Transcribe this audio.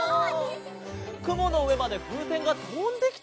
くものうえまでふうせんがとんできちゃったのかな？